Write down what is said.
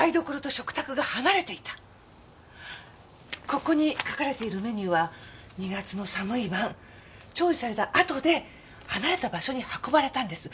ここに書かれているメニューは２月の寒い晩調理されたあとで離れた場所に運ばれたんです。